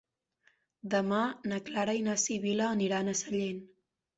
Demà na Clara i na Sibil·la aniran a Sellent.